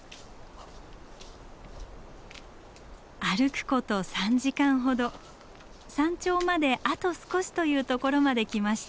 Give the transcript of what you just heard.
歩くこと３時間ほど山頂まであと少しというところまで来ました。